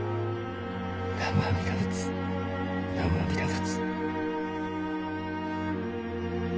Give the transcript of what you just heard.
南無阿弥陀仏南無阿弥陀仏。